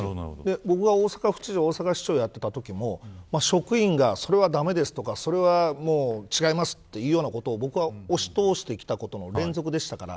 僕が、大阪府知事大阪市長やっていたときも職員が、それは駄目ですとかそれは違います、というようなことを僕は押し通してきたことの連続でしたから。